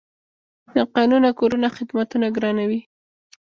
ناقانونه کورونه خدمتونه ګرانوي.